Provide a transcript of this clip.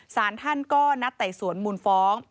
สารท่านก็นัดไต่สวนมูลฟ้อง